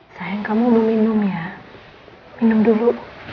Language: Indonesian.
sayang kamu belum minum ya minum dulu